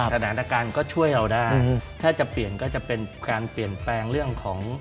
สถานการณ์ก็ช่วยเราได้ถ้าจะเปลี่ยนก็จะเป็นการเปลี่ยนแปลงเรื่องของ